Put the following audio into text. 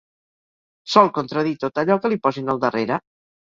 Sol contradir tot allò que li posin al darrere.